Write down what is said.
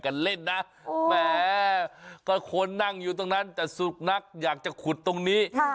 กันเล่นนะแหมก็คนนั่งอยู่ตรงนั้นแต่สุขนักอยากจะขุดตรงนี้